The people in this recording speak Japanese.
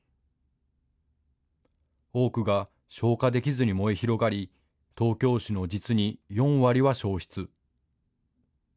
多くが消火できずに燃え広がり東京市の実に４割は焼失。